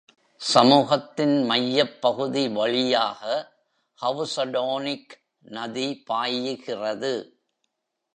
சமூகத்தின் மையப்பகுதி வழியாக ஹவுசடோனிக் நதி பாயிகிறது.